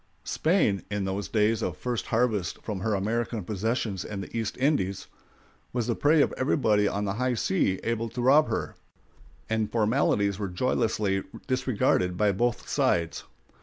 ] Spain, in those days of first harvest from her American possessions and the East Indies, was the prey of everybody on the high seas able to rob her, and formalities were joyously disregarded by both sides.